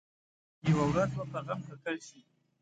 یوه ورځ به په غم ککړ شي.